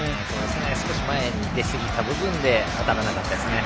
少し前に出すぎた部分で当たらなかったですね。